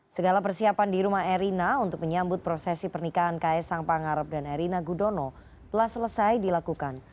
segala persiapan di rumah erina untuk menyambut prosesi pernikahan ks sang pangarep dan erina gudono telah selesai dilakukan